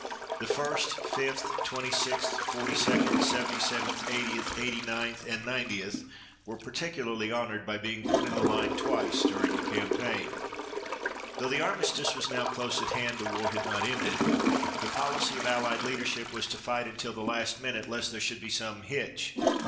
The First, Fifth, Twenty sixth, Forty second, Seventy seventh, Eightieth, Eighty ninth, and Ninetieth were particularly honored by being put in the line twice during the campaign. Though the armistice was now close at hand the war had not ended. The policy of allied leadership was to fight until the last minute lest there should be some hitch.